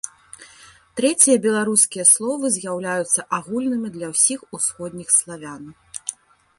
Трэція беларускія словы з'яўляюцца агульнымі для ўсіх усходніх славян.